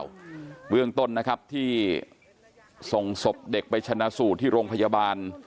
อืมเบื้องต้นนะครับที่ส่งศพเด็กไปชนะสูตรที่โรงพยาบาล